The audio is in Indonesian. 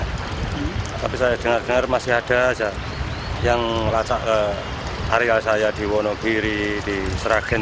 tapi saya dengar dengar masih ada yang melacak area saya di wonobiri di sragen